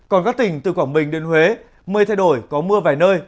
còn các tỉnh từ quảng bình đến huế mây thay đổi có mưa vài nơi